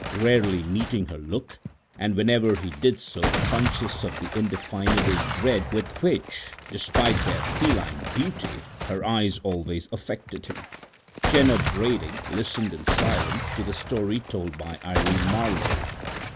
Rarely meeting her look, and whenever he did so conscious of the indefinable dread with which, despite their feline beauty, her eyes always affected him, Jenner Brading listened in silence to the story told by Irene Marlowe.